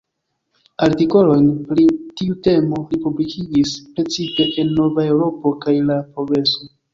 Artikolojn pri tiu temo li publikigis precipe en "Nova Eŭropo" kaj "La Progreso.